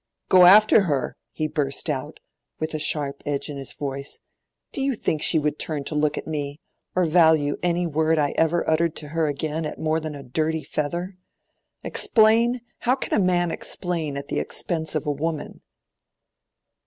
"Go after her!" he burst out, with a sharp edge in his voice. "Do you think she would turn to look at me, or value any word I ever uttered to her again at more than a dirty feather?—Explain! How can a man explain at the expense of a woman?"